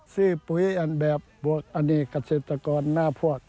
ซื้อปุ๋ยแบบปุ๋ยอันดีกับเศรษฐกรน่าพวก